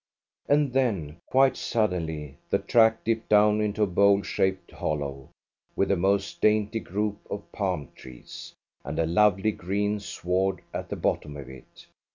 And then, quite suddenly, the track dipped down into a bowl shaped hollow, with a most dainty group of palm trees, and a lovely green sward at the bottom of it.